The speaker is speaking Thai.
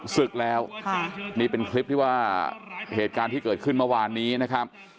ศึกแล้วนี่เป็นคลิปที่ว่าเหตุการณ์ที่เกิดขึ้นเมื่อวานนี้นะครับ